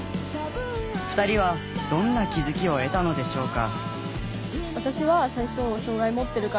２人はどんな気づきを得たのでしょうか。